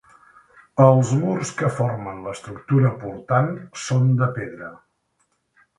Els murs que formen l'estructura portant, són de pedra.